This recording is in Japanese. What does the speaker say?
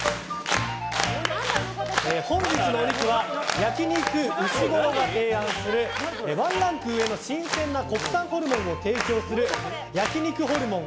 本日の肉は焼肉うしごろが提案するワンランク上の新鮮な国産ホルモンを提供する焼肉ホルモン